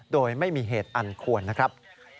โดยไม่มีเหตุอันควรนะครับ